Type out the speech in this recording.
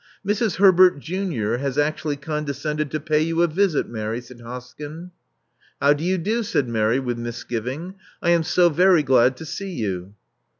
Mrs. Herbert junior has actually condescended to pay you a visit, Mary," said Hoskyn. How do you do?" said Mary, with misgiving. I am so very glad to see you."